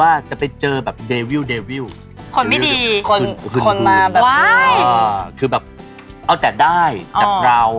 อาจจะได้จากเรา